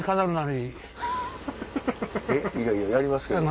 いやいややりますけど。